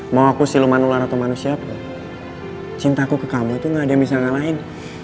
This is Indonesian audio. mau aku surman ular atau manusia pun cintaku ke kamu tuh gak ada yang bisa ngalahin